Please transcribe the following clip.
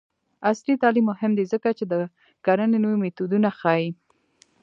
عصري تعلیم مهم دی ځکه چې د کرنې نوې میتودونه ښيي.